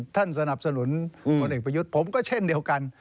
สนับสนุนพลเอกประยุทธ์ผมก็เช่นเดียวกัน